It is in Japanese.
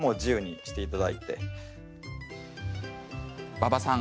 馬場さん